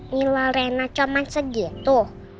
kalo rena cuman segitu